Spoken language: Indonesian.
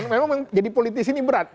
kan memang jadi politis ini berat